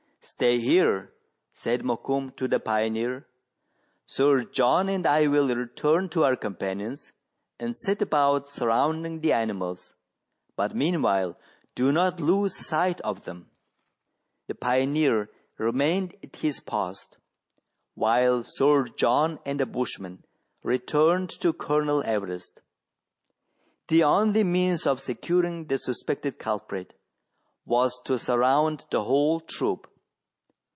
" Stay here," said Mokoum to the pioneer ;" Sir John and I will return to our companions, and set about surround ing the animals ; but meanwhile do not lose sight of them. 223 meridiana; the adventures of —« The pioneer remained at his post, while Sir John and the bushman returned to Colonel Everest. The only means of securing the suspected culprit was to surround the whole troop.